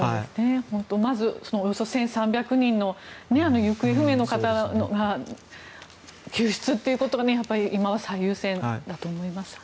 本当にまずおよそ１３００人の行方不明の方の救出ということが今は最優先だと思います。